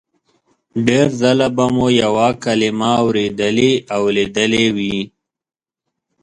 ډېر ځله به مو یوه کلمه اورېدلې او لیدلې وي